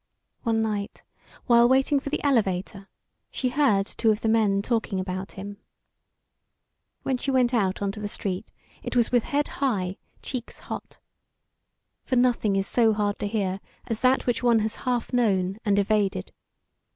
One night, while waiting for the elevator, she heard two of the men talking about him. When she went out on the street it was with head high, cheeks hot. For nothing is so hard to hear as that which one has half known, and evaded.